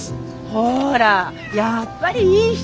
ほらやっぱりいい人！